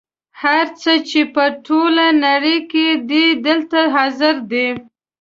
هر څه چې په ټوله نړۍ کې دي دلته حاضر دي.